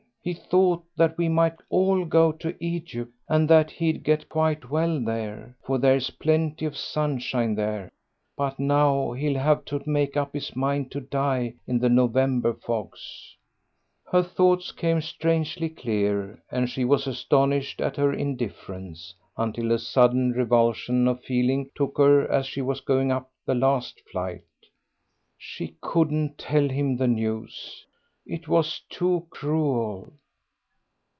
He thought that we might all go to Egypt, and that he'd get quite well there, for there's plenty of sunshine there, but now he'll have to make up his mind to die in the November fogs." Her thoughts came strangely clear, and she was astonished at her indifference, until a sudden revulsion of feeling took her as she was going up the last flight. She couldn't tell him the news; it was too cruel.